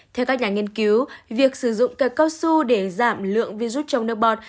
theo các nhà nghiên cứu việc sử dụng cit cao su để giảm lượng virus trong nước bọt